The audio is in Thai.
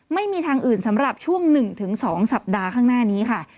ไม่มีทางอื่นสำหรับช่วง๑๒สัปดาห์ข้างหน้านี้ค่ะ